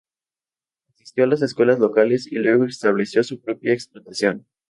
Asistió a las escuelas locales, y luego estableció su propia explotación.